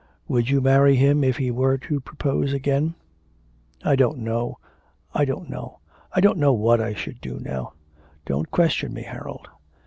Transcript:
'Would you marry him if he were to propose again?' 'I don't know, I don't know.... I don't know what I should do now. Don't question me, Harold.'